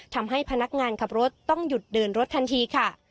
ทำให้พนักงานขับรถต้องหยุดเดินรถทันทีค่ะ